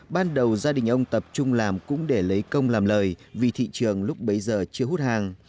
ban đầu gia đình ông tập trung làm cũng để lấy công làm lời vì thị trường lúc bấy giờ chưa hút hàng